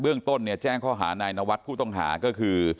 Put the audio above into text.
เรื่องต้นเนี่ยแจ้งข้อหานายนวัฒน์ผู้ต้องหาก็คือ